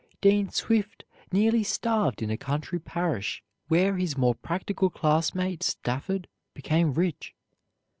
Dean Swift nearly starved in a country parish where his more practical classmate Stafford became rich.